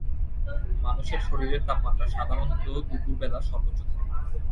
মানুষের শরীরের তাপমাত্রা সাধারণত দুপুর বেলা সর্বোচ্চ থাকে।